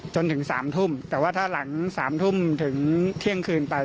จนถึง๓ทุ่มแต่ว่าถ้าหลัง๓ทุ่มถึงเที่ยงคืนไป